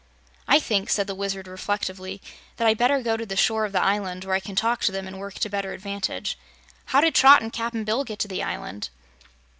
"I think," said the Wizard reflectively, "that I'd better go to the shore of the island, where I can talk to them and work to better advantage. How did Trot and Cap'n Bill get to the island?"